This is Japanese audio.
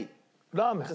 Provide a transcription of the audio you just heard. ラーメン。